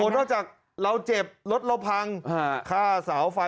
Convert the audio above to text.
โอ้โหนอกจากเราเจ็บรถเราพังฆ่าเสาไฟฟ้าเป็นแสน